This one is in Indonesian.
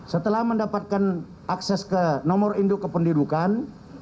setelah mendapatkan akses ke nomor induk kependudukan